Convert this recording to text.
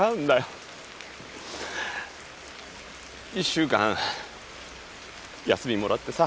１週間休みもらってさ